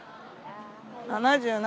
７７？